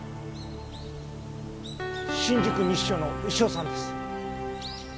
新宿西署の牛尾さんです。